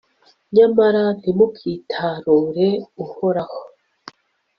nyamara ntimukitarure uhoraho